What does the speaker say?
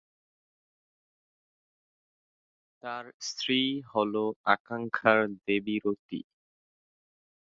তার স্ত্রী হলো আকাঙ্ক্ষার দেবী রতি।